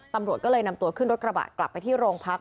ตำรวจก็เลยนำตัวขึ้นรถกระบะกลับไปที่โรงพัก